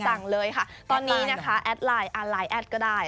สั่งเลยค่ะตอนนี้นะคะแอดไลน์ไลน์แอดก็ได้